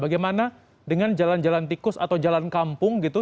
bagaimana dengan jalan jalan tikus atau jalan kampung gitu